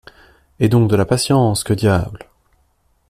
Aie donc de la patience, que diable !…